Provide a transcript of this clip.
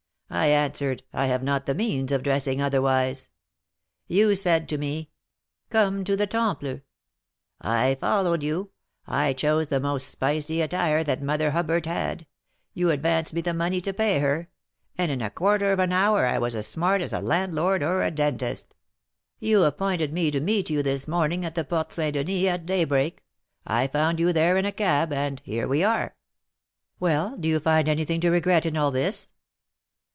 I answered, 'I have not the means of dressing otherwise.' You said to me, 'Come to the Temple.' I followed you. I chose the most spicy attire that Mother Hubart had, you advanced me the money to pay her, and in a quarter of an hour I was as smart as a landlord or a dentist. You appointed me to meet you this morning at the Porte St. Denis, at daybreak; I found you there in a cab, and here we are." "Well, do you find anything to regret in all this?"